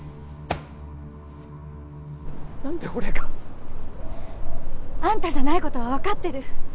なんで俺が？あんたじゃない事はわかってる。